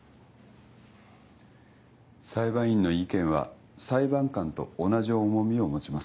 裁判員の意見は裁判官と同じ重みを持ちます。